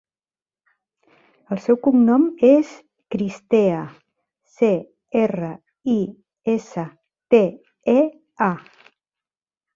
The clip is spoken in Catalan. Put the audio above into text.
El seu cognom és Cristea: ce, erra, i, essa, te, e, a.